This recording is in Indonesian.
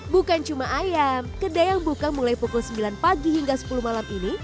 bukan cuma ayam kedai yang buka mulai pukul sembilan pagi hingga sepuluh malam ini